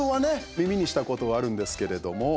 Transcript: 耳にしたことはあるんですけれども。